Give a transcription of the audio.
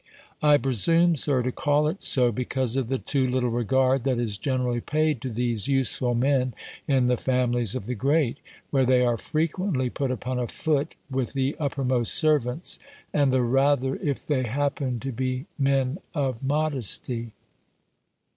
I presume, Sir, to call it so, because of the too little regard that is generally paid to these useful men in the families of the great, where they are frequently put upon a foot with the uppermost servants, and the rather, if they happen to be men of modesty.